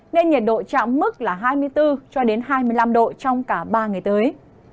nên nhiệt độ chạm mức là hai mươi bốn cho đến hai mươi năm độ trong cả ba ngày tới